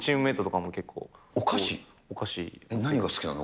何が好きなの？